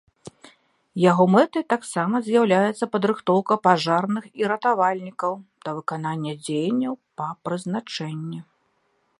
Яго мэтай таксама з'яўляецца падрыхтоўка пажарных і ратавальнікаў да выканання дзеянняў па прызначэнні.